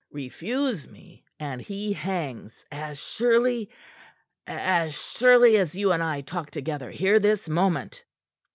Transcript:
Refuse me, and he hangs as surely as surely as you and I talk together here this moment."